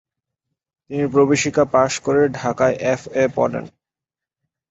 তিনি প্রবেশিকা পাশ করে ঢাকায় এফ.এ পড়েন।